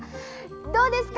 どうですか？